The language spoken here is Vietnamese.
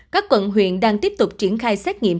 các quận huyện đang tiếp tục triển khai xét nghiệm